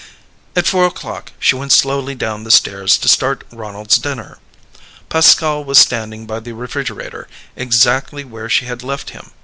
At four o'clock she went slowly down the stairs to start Ronald's dinner. Pascal was standing by the refrigerator, exactly where she had left him.